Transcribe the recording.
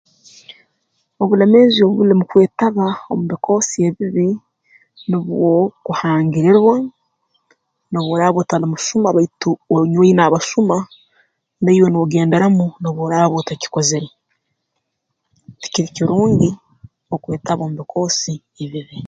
Obulemeezi obuli mu kwetaba omu bikoosi ebibi nubwo kuhangirirwa noobu oraaba otali musuma baitu onywaine abasuma naiwe noogenderamu noobu oraaba otakikozere tikiri kirungi okwetaba mu bikoosi ebibi